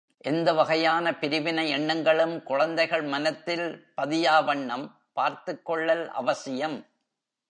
எந்த வகையான பிரிவினை எண்ணங்களும் குழந்தைகள் மனத்தில் பதியாவண்ணம் பார்த்துக் கொள்ளல் அவசியம்.